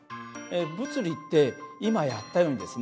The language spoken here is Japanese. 物理って今やったようにですね